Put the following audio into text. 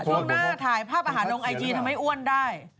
ช่วงหน้าถ่ายภาพอาหารลงไอจีทำให้อ้วนได้